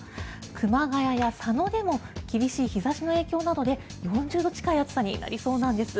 熊谷や佐野でも厳しい日差しの影響などで４０度近い暑さになりそうなんです。